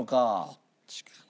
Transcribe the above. どっちかな？